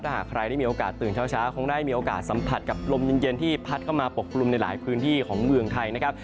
ถ้าหากใครได้มีโอกาสตื่นเช้าคงได้มีโอกาสสัมผัสกับลมเย็นที่พัดเข้ามาปกกลุ่มในหลายพื้นที่ของเมืองไทยนะครับ